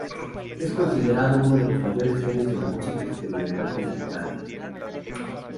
Es considerado uno de los mayores genios de la música experimental contemporánea.